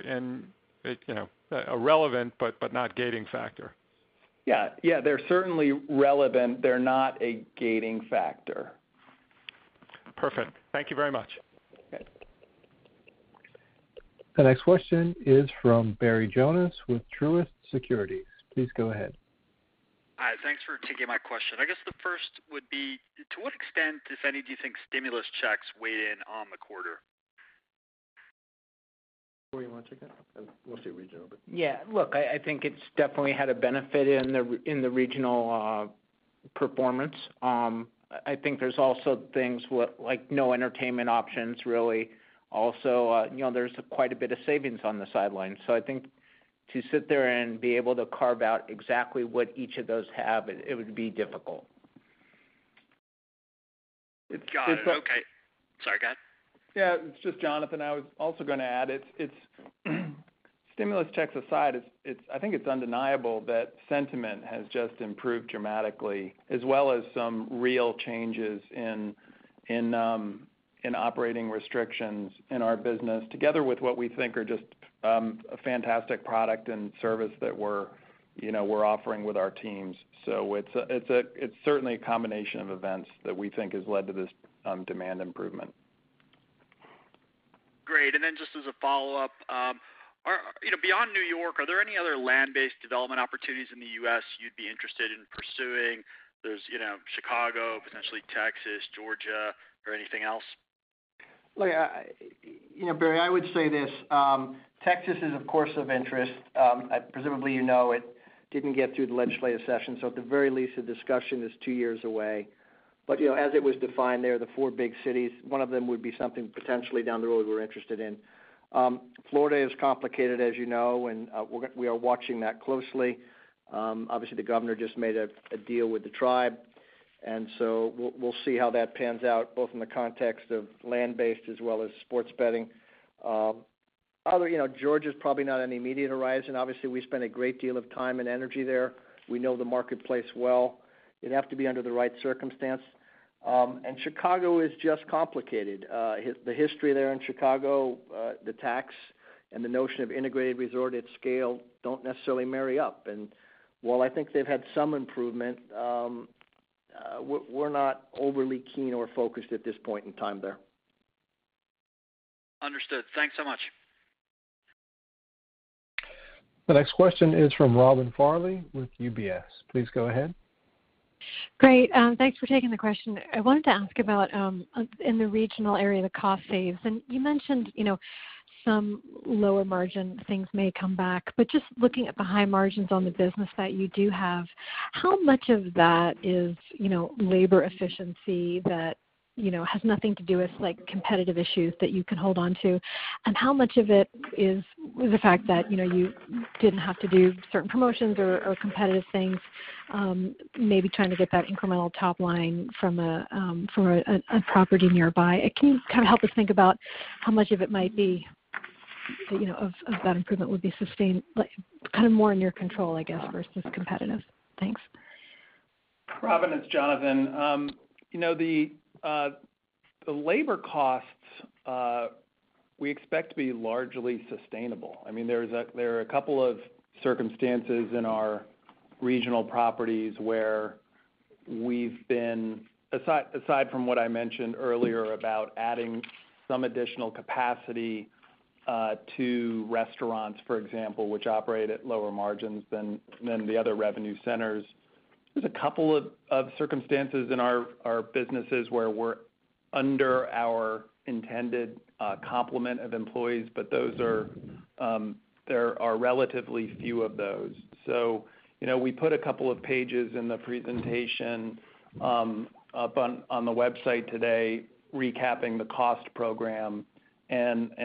irrelevant, but not gating factor? Yeah. They're certainly relevant. They're not a gating factor. Perfect. Thank you very much. Okay. The next question is from Barry Jonas with Truist Securities. Please go ahead. Hi. Thanks for taking my question. I guess the first would be, to what extent, if any, do you think stimulus checks weighed in on the quarter? Bill, you want to take that? We'll see what you do. Yeah, look, I think it's definitely had a benefit in the regional. Performance. I think there's also things like no entertainment options, really. Also, there's quite a bit of savings on the sideline. I think to sit there and be able to carve out exactly what each of those have, it would be difficult. Got it. Okay. Sorry, go ahead. It's just Jonathan. I was also going to add, stimulus checks aside, I think it's undeniable that sentiment has just improved dramatically, as well as some real changes in operating restrictions in our business, together with what we think are just a fantastic product and service that we're offering with our teams. It's certainly a combination of events that we think has led to this demand improvement. Great. Just as a follow-up, beyond N.Y., are there any other land-based development opportunities in the U.S. you'd be interested in pursuing? There's Chicago, potentially Texas, Georgia, or anything else? Look, Barry, I would say this. Texas is, of course, of interest. Presumably, you know it didn't get through the legislative session, so at the very least, the discussion is two years away. As it was defined there, the four big cities, one of them would be something potentially down the road we're interested in. Florida is complicated, as you know, and we are watching that closely. Obviously, the governor just made a deal with the tribe, and so we'll see how that pans out, both in the context of land-based as well as sports betting. Georgia's probably not on the immediate horizon. Obviously, we spend a great deal of time and energy there. We know the marketplace well. It'd have to be under the right circumstance. Chicago is just complicated. The history there in Chicago, the tax, and the notion of integrated resort at scale don't necessarily marry up. While I think they've had some improvement, we're not overly keen or focused at this point in time there. Understood. Thanks so much. The next question is from Robin Farley with UBS. Please go ahead. Great. Thanks for taking the question. I wanted to ask about, in the regional area, the cost saves. You mentioned some lower margin things may come back. Just looking at the high margins on the business that you do have, how much of that is labor efficiency that has nothing to do with competitive issues that you can hold onto? How much of it is the fact that you didn't have to do certain promotions or competitive things, maybe trying to get that incremental top line from a property nearby? Can you kind of help us think about how much of it might be, of that improvement would be sustained, kind of more in your control, I guess, versus competitive? Thanks. Robin, it's Jonathan. The labor costs we expect to be largely sustainable. There are a couple of circumstances in our regional properties where we've been, aside from what I mentioned earlier about adding some additional capacity to restaurants, for example, which operate at lower margins than the other revenue centers. There's a couple of circumstances in our businesses where we're under our intended complement of employees, but there are relatively few of those. We put a couple of pages in the presentation up on the website today recapping the cost program and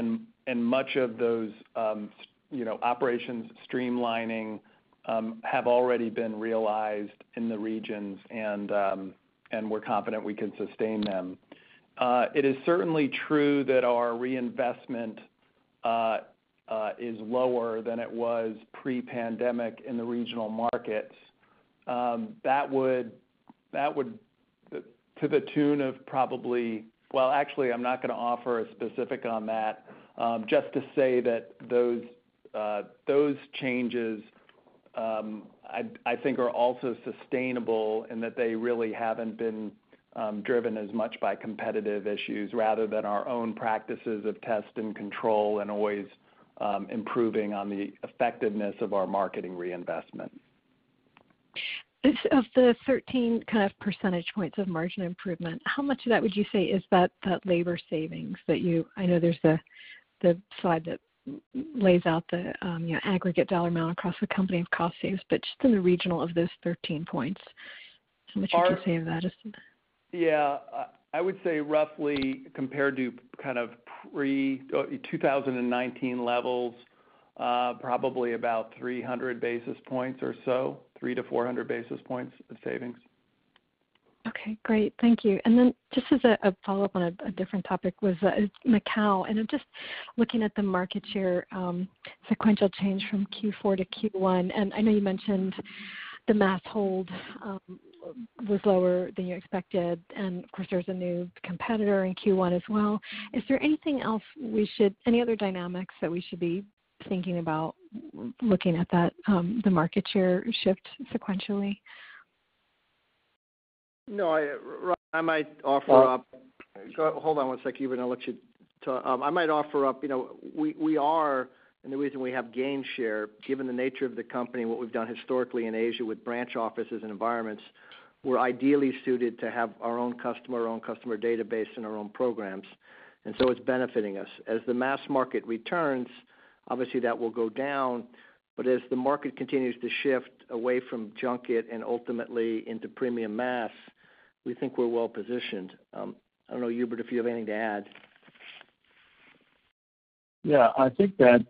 much of those operations streamlining have already been realized in the regions, and we're confident we can sustain them. It is certainly true that our reinvestment is lower than it was pre-pandemic in the regional markets. That would, to the tune of probably Well, actually, I'm not going to offer a specific on that. Just to say that those changes, I think, are also sustainable and that they really haven't been driven as much by competitive issues rather than our own practices of test and control and always improving on the effectiveness of our marketing reinvestment. Of the 13 kind of percentage points of margin improvement, how much of that would you say is that labor savings? I know there's the slide that lays out the aggregate dollar amount across the company of cost saves. Just in the regional of those 13 points, how much would you say of that? Yeah, I would say roughly, compared to kind of pre-2019 levels, probably about 300 basis points or so, three to 400 basis points of savings. Okay, great. Thank you. Just as a follow-up on a different topic was Macau, I'm just looking at the market share sequential change from Q4-Q1. I know you mentioned the mass hold was lower than you expected, of course, there's a new competitor in Q1 as well. Is there anything else, any other dynamics that we should be thinking about looking at that, the market share shift sequentially? No. Robin, Hold on one sec, Hubert. I'll let you talk. I might offer up, we are. The reason we have gain share, given the nature of the company and what we've done historically in Asia with branch offices and environments, we're ideally suited to have our own customer, our own customer database, and our own programs. It's benefiting us. As the mass market returns, obviously, that will go down. As the market continues to shift away from junket and ultimately into premium mass, we think we're well-positioned. I don't know, Hubert, if you have anything to add. Yeah, I think that,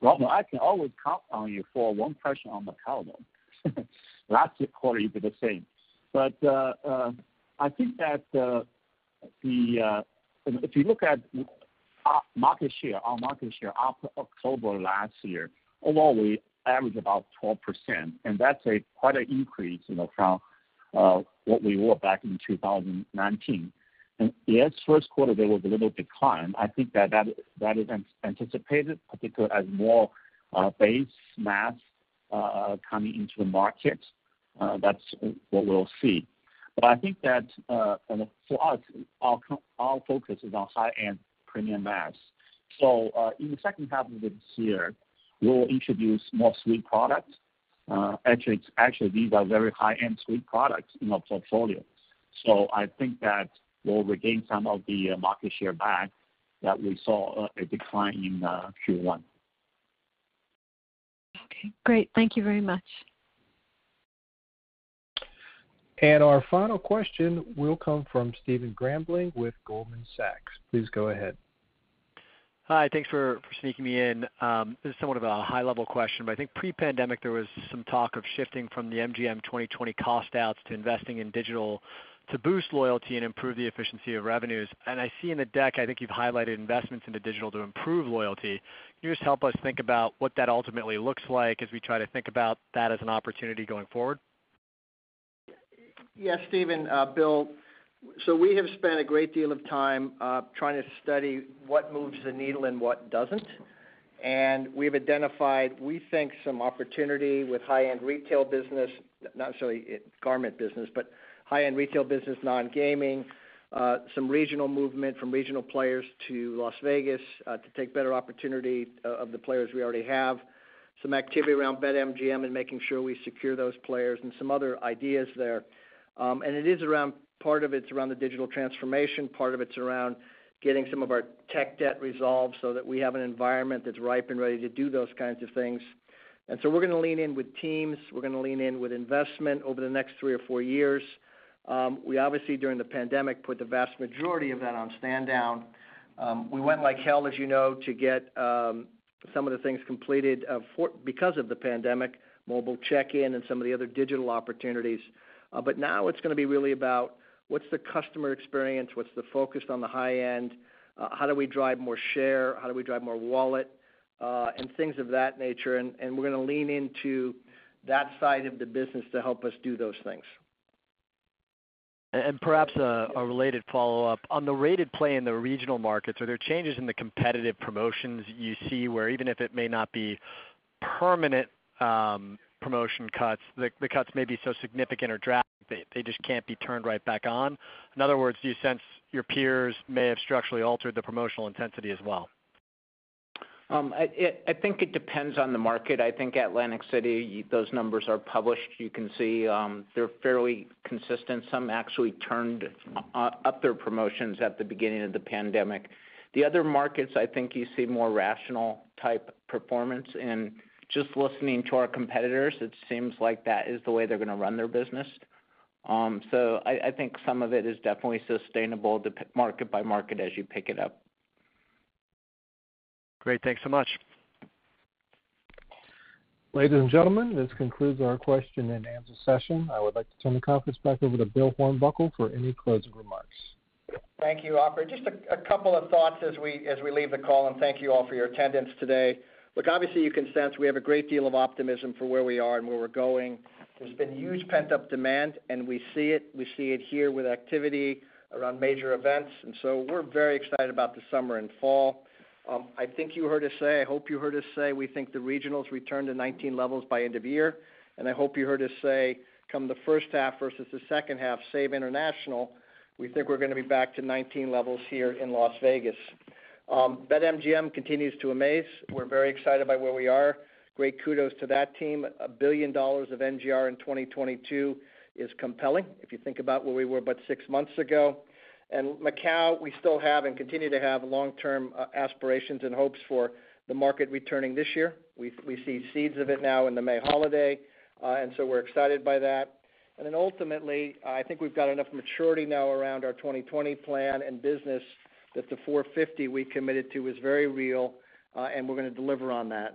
Robin, I can always count on you for one question on Macao, though. Last quarter, you did the same. I think that if you look at our market share, October last year, overall, we average about 12%, and that's quite an increase from what we were back in 2019. Yes, first quarter, there was a little decline. I think that is anticipated, particularly as more base mass coming into the market. That's what we'll see. I think that for us, our focus is on high-end premium mass. In the second half of this year, we'll introduce more suite products. Actually, these are very high-end suite products in our portfolio. I think that we'll regain some of the market share back that we saw a decline in Q1. Okay, great. Thank you very much. Our final question will come from Stephen Grambling with Goldman Sachs. Please go ahead. Hi, thanks for sneaking me in. This is somewhat of a high-level question, but I think pre-pandemic, there was some talk of shifting from the MGM 2020 cost outs to investing in digital to boost loyalty and improve the efficiency of revenues. I see in the deck, I think you've highlighted investments into digital to improve loyalty. Can you just help us think about what that ultimately looks like as we try to think about that as an opportunity going forward? Yes, Stephen. Bill. We have spent a great deal of time trying to study what moves the needle and what doesn't, and we've identified, we think, some opportunity with high-end retail business, not necessarily gaming business, but high-end retail business, non-gaming, some regional movement from regional players to Las Vegas to take better opportunity of the players we already have, some activity around BetMGM and making sure we secure those players and some other ideas there. Part of it's around the digital transformation, part of it's around getting some of our tech debt resolved so that we have an environment that's ripe and ready to do those kinds of things. We're going to lean in with teams. We're going to lean in with investment over the next three or four years. We obviously, during the pandemic, put the vast majority of that on stand down. We went like hell, as you know, to get some of the things completed because of the pandemic, mobile check-in and some of the other digital opportunities. Now it's going to be really about: What's the customer experience? What's the focus on the high end? How do we drive more share? How do we drive more wallet? Things of that nature, and we're going to lean into that side of the business to help us do those things. Perhaps a related follow-up. On the rated play in the regional markets, are there changes in the competitive promotions you see where even if it may not be permanent promotion cuts, the cuts may be so significant or drastic they just can't be turned right back on? In other words, do you sense your peers may have structurally altered the promotional intensity as well? I think it depends on the market. I think Atlantic City, those numbers are published. You can see they're fairly consistent. Some actually turned up their promotions at the beginning of the pandemic. The other markets, I think you see more rational type performance, and just listening to our competitors, it seems like that is the way they're going to run their business. I think some of it is definitely sustainable market by market as you pick it up. Great. Thanks so much. Ladies and gentlemen, this concludes our question-and-answer session. I would like to turn the conference back over to Bill Hornbuckle for any closing remarks. Thank you, operator. Just a couple of thoughts as we leave the call. Thank you all for your attendance today. Look, obviously, you can sense we have a great deal of optimism for where we are and where we're going. There's been huge pent-up demand. We see it. We see it here with activity around major events. We're very excited about the summer and fall. I think you heard us say, I hope you heard us say, we think the regionals return to 2019 levels by end of year. I hope you heard us say, come the first half versus the second half, save international, we think we're going to be back to 2019 levels here in Las Vegas. BetMGM continues to amaze. We're very excited by where we are. Great kudos to that team. A $1 billion of NGR in 2022 is compelling, if you think about where we were but six months ago. Macau, we still have and continue to have long-term aspirations and hopes for the market returning this year. We see seeds of it now in the May holiday, we're excited by that. Ultimately, I think we've got enough maturity now around our MGM 2020 plan and business that the $450 we committed to is very real, and we're going to deliver on that.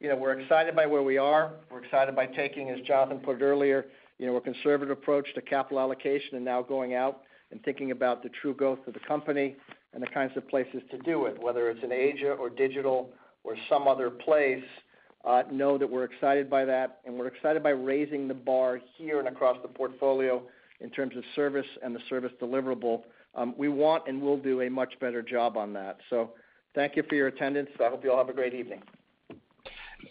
We're excited by where we are. We're excited by taking, as Jonathan put it earlier, our conservative approach to capital allocation and now going out and thinking about the true growth of the company and the kinds of places to do it, whether it's in Asia or digital or some other place. Know that we're excited by that, and we're excited by raising the bar here and across the portfolio in terms of service and the service deliverable. We want and will do a much better job on that. Thank you for your attendance. I hope you all have a great evening.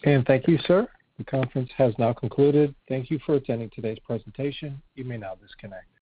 And thank you, sir. The conference has now concluded. Thank you for attending today's presentation. You may now disconnect.